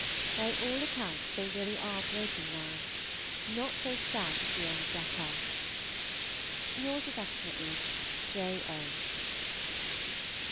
By all accounts they really are breaking now, not so stout as the old jackass. Yours affectionately, J. A.